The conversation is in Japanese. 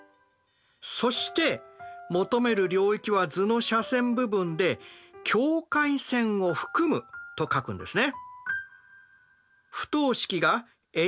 そして「求める領域は図の斜線部分で境界線を含む」と書くんですね。